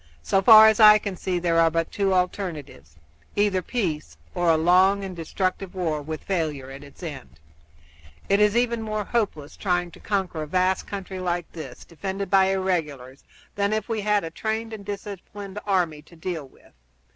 "So far as I can see there are but two alternatives either peace or a long and destructive war with failure at its end. It is even more hopeless trying to conquer a vast country like this, defended by irregulars, than if we had a trained and disciplined army to deal with.